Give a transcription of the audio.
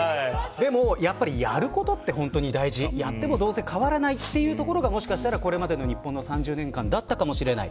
でも、やることは本当に大事やっても変わらないというところはこれまでの日本の３０年間だったかもしれない。